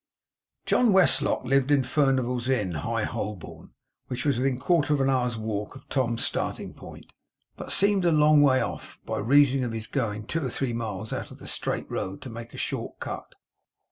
John Westlock lived in Furnival's Inn, High Holborn, which was within a quarter of an hour's walk of Tom's starting point, but seemed a long way off, by reason of his going two or three miles out of the straight road to make a short cut.